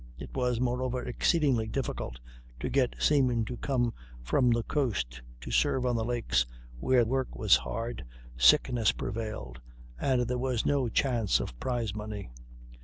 It was, moreover, exceedingly difficult to get seamen to come from the coast to serve on the lakes, where work was hard, sickness prevailed, and there was no chance of prize money.